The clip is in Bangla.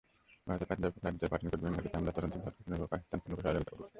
ভারতের পাঞ্জাব রাজ্যের পাঠানকোট বিমানঘাঁটিতে হামলার তদন্তে ভারতকে পাকিস্তান পূর্ণ সহযোগিতা করবে।